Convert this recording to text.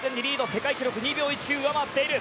世界記録２秒１９上回っている。